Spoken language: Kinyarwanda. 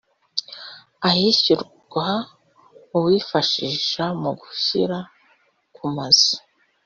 ayishyurwa uwifashishwa mu gushyira kumazu